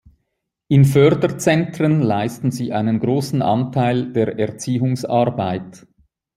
In Förderzentren leisten sie einen großen Anteil der Erziehungsarbeit.